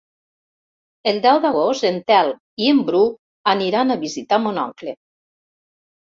El deu d'agost en Telm i en Bru aniran a visitar mon oncle.